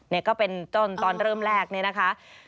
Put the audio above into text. นี่ก็เป็นต้นตอนเริ่มแรกนี่นะคะ